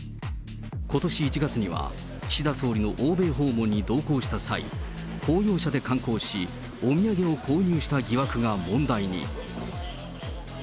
ことし１月には、岸田総理の欧米訪問に同行した際、公用車で観光し、お土産を購入した疑惑が問題に。